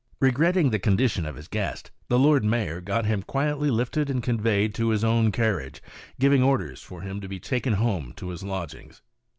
Regretting the condition of his guest, the Lord Mayor got him quietly lifted and conveyed to his own carriage, giving orders for him to be taken home to his lodgings.